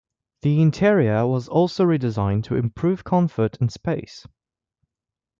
The interior was also redesigned to improve comfort and space.